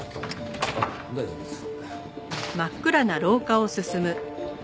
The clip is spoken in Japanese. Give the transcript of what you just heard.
あっ大丈夫です。